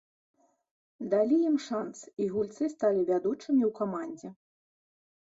Далі ім шанц, і гульцы сталі вядучымі ў камандзе.